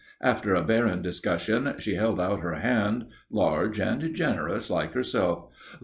After a barren discussion she held out her hand, large and generous like herself.